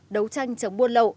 đấu tranh chống buôn lậu